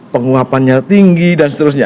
penguapannya tinggi dan seterusnya